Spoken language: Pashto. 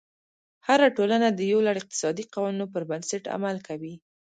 هره ټولنه د یو لړ اقتصادي قوانینو پر بنسټ عمل کوي.